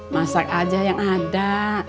masak aja yang ada